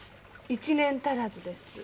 １年足らずです。